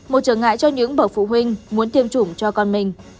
một trở ngại cho những bậc phụ huynh muốn tiêm chủng cho con mình